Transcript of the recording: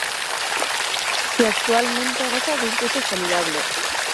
Si actualmente goza de un peso saludable